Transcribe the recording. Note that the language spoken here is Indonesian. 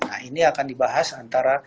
nah ini akan dibahas antara